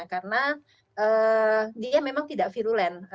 karena dia memang tidak virulen